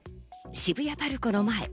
渋谷ＰＡＲＣＯの前。